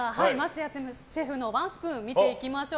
桝谷シェフのワンスプーン見ていきましょう。